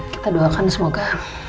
kita doakan semoga